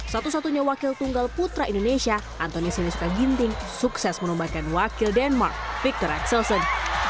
satu satunya wakil tunggal putra indonesia antonis nisukaginting sukses menembakkan wakil denmark victor axelsen